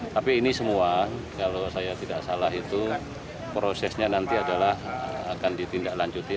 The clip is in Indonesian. tapi ini semua kalau saya tidak salah itu prosesnya nanti adalah akan ditindaklanjuti